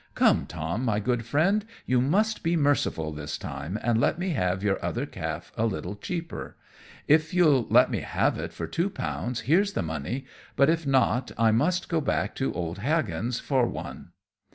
Come, Tom, my good Friend, you must be merciful this time, and let me have your other calf a little cheaper. If you'll let me have it for two pounds here's the money, but if not I must go back to old Hagan's for one."